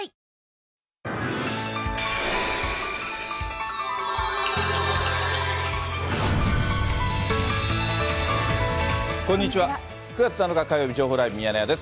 ９月７日火曜日、情報ライブミヤネ屋です。